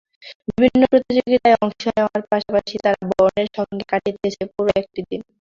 বিভিন্ন প্রতিযোগিতায় অংশ নেওয়ার পাশাপাশি তারা বর্ণের সঙ্গে কাটিয়েছে পুরো একটি দিন।